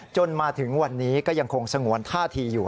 จนถึงวันนี้ก็ยังคงสงวนท่าทีอยู่